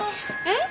えっ？